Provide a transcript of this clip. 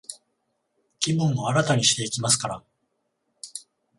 気分を新たにしていきますから、